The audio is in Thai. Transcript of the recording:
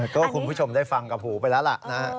ก็คุณผู้ชมได้ฟังกับหูไปแล้วล่ะนะ